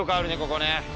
ここね。